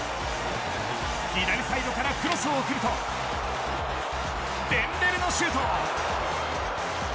左サイドからクロスを送るとデンベレのシュート！